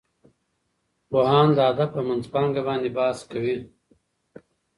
پوهان د ادب په منځپانګه باندې بحث کوي.